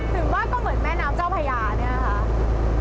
ถึงว่าก็เหมือนแม่น้ำเจ้าพญาเนี่ยนะคะ